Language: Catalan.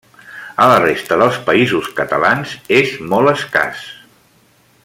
A la resta dels Països Catalans és molt escàs.